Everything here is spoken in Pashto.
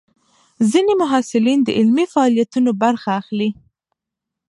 ځینې محصلین د علمي فعالیتونو برخه اخلي.